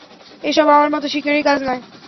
এসব আমার মতো শিকারীর কাজ নয়।